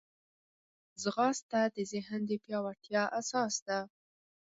ځغاسته د ذهن د پیاوړتیا اساس ده